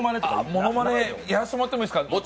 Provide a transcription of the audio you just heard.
ものまね、やらせてもらってもいいですか。